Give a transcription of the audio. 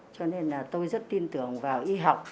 cho nên là tôi rất tin tưởng vào y học